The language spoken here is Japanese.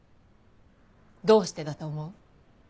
どうしてだと思う？